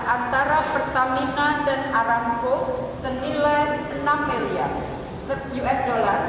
antara pertamina dan aramco senilai enam miliar us dollar